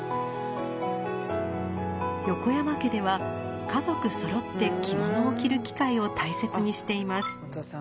横山家では家族そろって着物を着る機会を大切にしています。